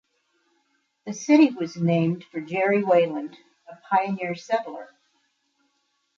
The city was named for Jerre Wayland, a pioneer settler.